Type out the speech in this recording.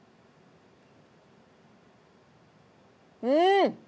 うん！